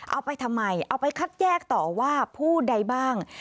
เอาไปทำไมเอาไปคัดแยกต่อว่าผู้ใดบ้าง